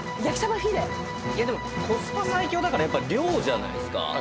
でもコスパ最強だからやっぱ量じゃないですか？